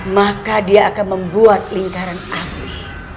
maka dia akan membuat lingkaran api